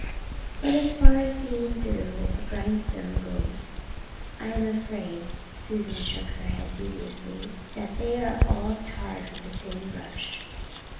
But as far as seeing through a grindstone goes, I am afraid " Susan shook her head dubiously, "that they are all tarred with the same brush."